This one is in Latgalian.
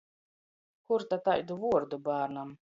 Kur ta taidu vuordu bārnam!